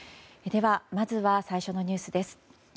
では、まずは最初のニュースです。